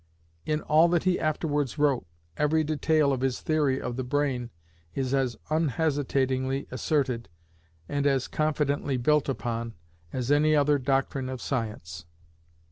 In all that he afterwards wrote, every detail of his theory of the brain is as unhesitatingly asserted, and as confidently built upon, as any other doctrine of science.